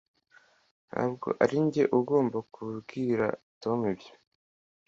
Ntabwo arinjye ugomba kubwira Tom ibyo.